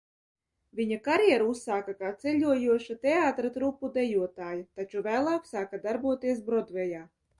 Viņa karjeru uzsāka kā ceļojoša teātra trupu dejotāja, taču vēlāk sāka darboties Brodvejā.